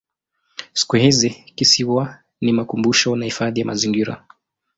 Siku hizi kisiwa ni makumbusho na hifadhi ya mazingira.